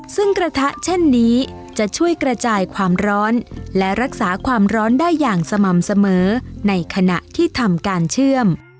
ซึ่งกระทะเช่นนี้จะช่วยกระจายความร้อนและรักษาความร้อนได้อย่างสม่ำเสมอในขณะที่ทำการเชื่อม